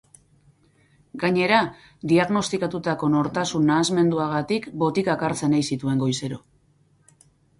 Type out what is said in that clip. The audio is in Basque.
Gainera, diagnostikatutako nortasun nahasmenduagatik botikak hartzen ei zituen goizero.